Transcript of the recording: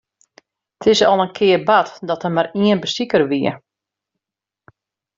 It is al in kear bard dat der mar ien besiker wie.